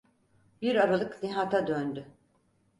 Bir aralık Nihat’a döndü: